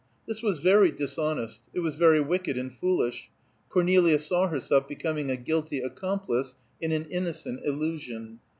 This was very dishonest; it was very wicked and foolish; Cornelia saw herself becoming a guilty accomplice in an innocent illusion.